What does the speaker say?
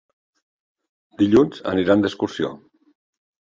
Dilluns aniran d'excursió.